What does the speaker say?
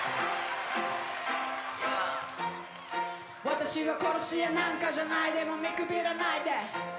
「私は殺し屋なんかじゃないでも見くびらないで」